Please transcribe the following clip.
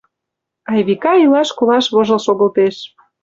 Айвика илаш-колаш вожыл шогылтеш.